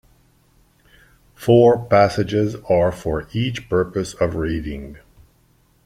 Four passages are for each purpose of reading.